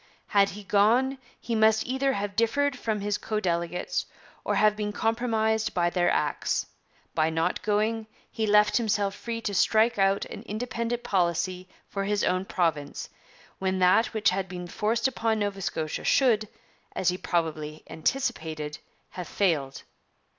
'Had he gone, he must either have differed from his co delegates, or have been compromised by their acts. By not going, he left himself free to strike out an independent policy for his own province, when that which had been forced upon Nova Scotia should, as he probably anticipated, have failed.'